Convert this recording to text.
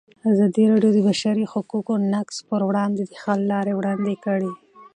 ازادي راډیو د د بشري حقونو نقض پر وړاندې د حل لارې وړاندې کړي.